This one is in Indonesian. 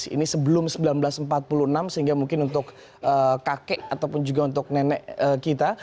ini sebelum seribu sembilan ratus empat puluh enam sehingga mungkin untuk kakek ataupun juga untuk nenek kita